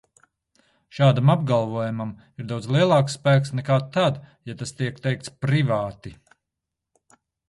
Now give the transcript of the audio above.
Šādam apgalvojumam ir daudz lielāks spēks nekā tad, ja tas tiek teikts privāti.